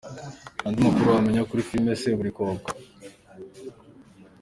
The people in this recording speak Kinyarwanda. Andi makuru wamenya kuri filime Seburikoko.